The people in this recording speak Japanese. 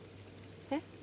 えっ？